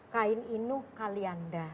kain inuh kalianda